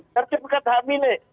terciptakan kami nih